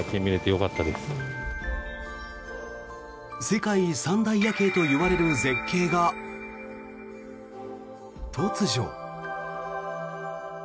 世界三大夜景といわれる絶景が突如。